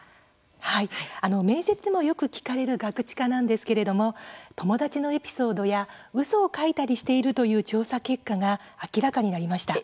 はい、面接でもよく聞かれるガクチカなんですけれども友達のエピソードやうそを書いたりしているという調査結果が明らかになりました。